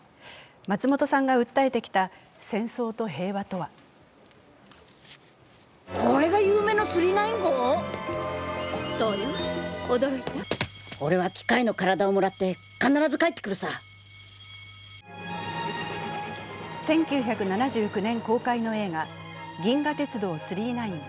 松本さんが訴えてきた戦争と平和とは１９７９年公開の映画「銀河鉄道９９９」。